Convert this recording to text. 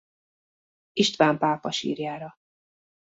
István pápa sírjára.